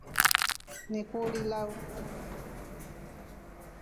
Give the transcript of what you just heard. Ni kuuli lau.